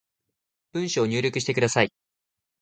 文章を入力してください